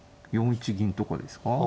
４一銀とかですか。